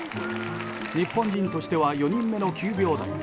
日本人としては４人目の９秒台。